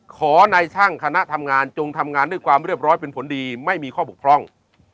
ในช่างคณะทำงานจงทำงานด้วยความเรียบร้อยเป็นผลดีไม่มีข้อบกพร่อง